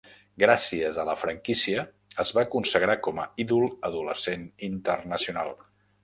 Gràcies a la franquícia es va consagrar com a ídol adolescent internacional.